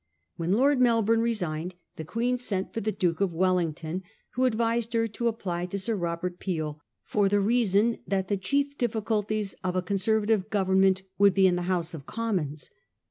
When Lord Mel bourne resigned, the Queen sent for the Duke of Wellington, who advised her to apply to Sir Robert Peel, for the reason that the chief difficulties of a Conservative Government would be in the House of Commons.